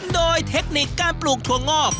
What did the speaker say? โดยเทคนิคการปลูกถั่วงอก